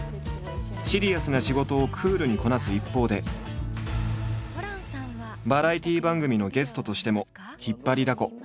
シリアスな仕事をクールにこなす一方でバラエティー番組のゲストとしても引っ張りだこ。